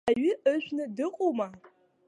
Аҩы ыжәны дыҟоума?